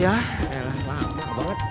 yah eh lah lama banget